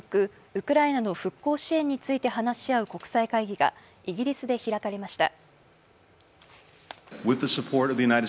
ウクライナの復興支援について話し合う国際会議がイギリスで開かれました。